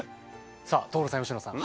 さあ所さん佳乃さん。